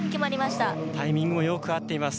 タイミングもよく合っています。